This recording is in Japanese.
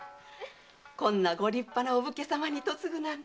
こんなご立派なお武家様に嫁ぐなんて。